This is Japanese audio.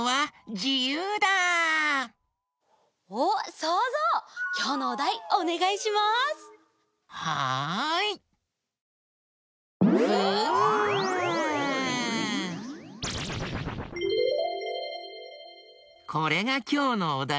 これがきょうのおだいだよ。